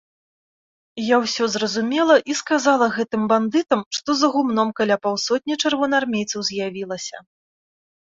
Я ўсё зразумела і сказала гэтым бандытам, што за гумном каля паўсотні чырвонаармейцаў з'явілася.